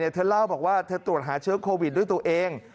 เธอเล่าบอกว่าเธอตรวจหาเชื้อโควิดด้วยตัวเอง